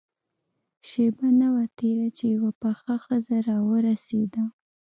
شېبه نه وه تېره چې يوه پخه ښځه راورسېده.